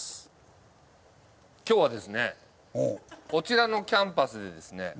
今日はですねこちらのキャンパスでですね